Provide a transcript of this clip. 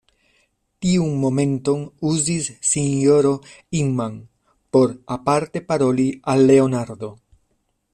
Tiun momenton uzis sinjoro Inman, por aparte paroli al Leonardo.